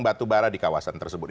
batu bara di kawasan tersebut